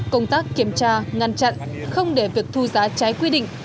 công tác kiểm tra ngăn chặn không để việc thu giá trái quy định